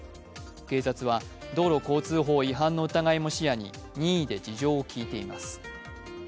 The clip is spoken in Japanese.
警察は道路交通法違反の疑いも視野に任意で事情を聞いています。